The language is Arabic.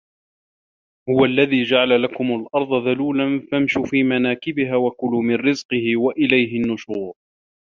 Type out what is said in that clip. هُوَ الَّذي جَعَلَ لَكُمُ الأَرضَ ذَلولًا فَامشوا في مَناكِبِها وَكُلوا مِن رِزقِهِ وَإِلَيهِ النُّشورُ